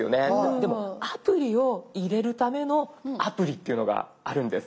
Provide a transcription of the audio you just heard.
でもアプリを入れるためのアプリっていうのがあるんです。